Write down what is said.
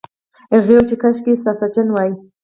هغې وویل چې کاشکې ساسچن وای.